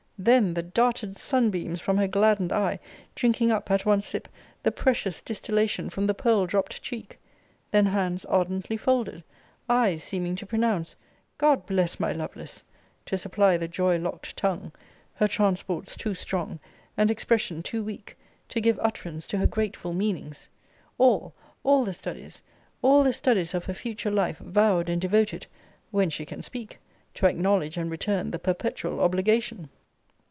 then the darted sun beams from her gladdened eye, drinking up, at one sip, the precious distillation from the pearl dropt cheek! Then hands ardently folded, eyes seeming to pronounce, God bless my Lovelace! to supply the joy locked tongue: her transports too strong, and expression too weak, to give utterance to her grateful meanings! All all the studies all the studies of her future life vowed and devoted (when she can speak) to acknowledge and return the perpetual obligation!